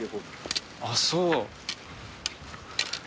ああそう。